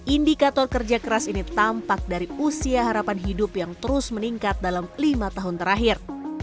indikator kerja keras ini tampak dari usia harapan hidup yang terus meningkat dalam lima tahun terakhir